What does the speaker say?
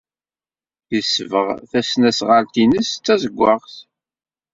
Yesbeɣ tasnasɣalt-nnes d tazewwaɣt.